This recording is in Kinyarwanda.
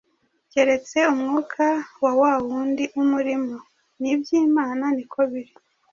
keretse umwuka wa wa wundi umurimo? N’iby’Imana ni ko biri;